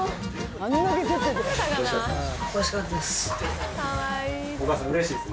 おいしかったです。